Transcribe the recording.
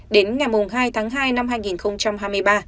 đến ngày hai tháng hai năm hai nghìn hai mươi ba